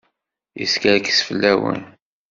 Yeskerkes fell-awen.